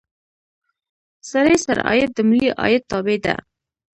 سړي سر عاید د ملي عاید تابع ده.